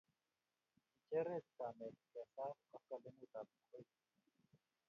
Kicherech kamet ke saa koskoleng'utab kwekeny